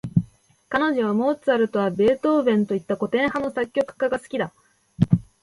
彼女はモーツァルトやベートーヴェンといった、古典派の作曲家が好きだ。